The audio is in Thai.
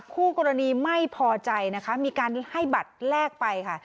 คู่กรณีไม่พอใจนะคะมีการให้บัตรแลกไปค่ะ